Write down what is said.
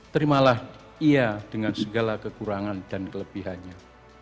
terimalah ia dengan segala kekurangan dan kelebihannya